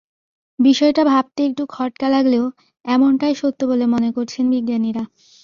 বিষয়টা ভাবতে একটু খটকা লাগলেও এমনটাই সত্য বলে মনে করছেন বিজ্ঞানীরা।